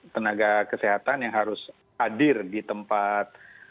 tenaga kesehatan yang harus hadir di tempat